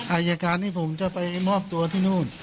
อายการนี้ผมจะไปมอบตัวที่นู่น